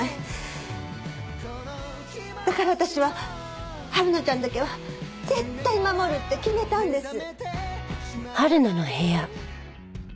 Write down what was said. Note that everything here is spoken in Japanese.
だから私ははるなちゃんだけは絶対守るって決めたんです。